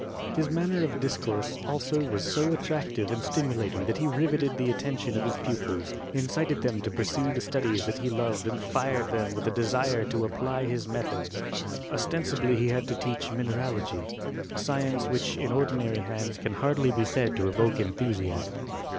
His manner of discourse also was so attractive and stimulating that he riveted the attention of his pupils, in cited them to pursue the studies that he loved and fired them with a desire to apply his methods. Ostensibly he had to teach mineralogy — a science which in ordinary hands can hardly be said to evoke enthusiasm.